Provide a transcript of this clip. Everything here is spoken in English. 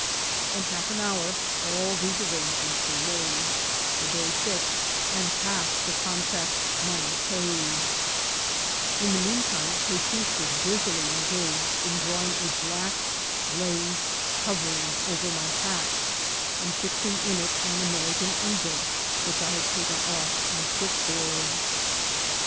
In half an hour all these arrangements were made, the day fixed, and half the contract money paid« In the mean time 'Hesoos was busily engaged in draw* ing a black glazed oormng over my hat, and fixing in it an American eagle which I had taken off on ship board.